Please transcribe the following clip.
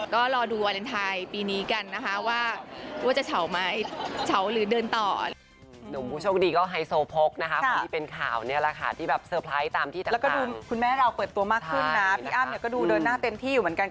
ก็รอดูวาเลนไทยปีนี้กันนะคะว่าจะเฉาไหมเฉาหรือเดินต่อ